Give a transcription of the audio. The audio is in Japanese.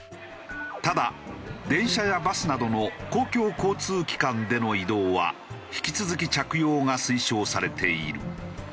ただ電車やバスなどの公共交通機関での移動は引き続き着用が推奨されている。